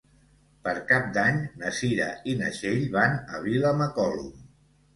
Per Cap d'Any na Cira i na Txell van a Vilamacolum.